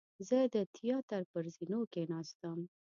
زه د تیاتر پر زینو کېناستم.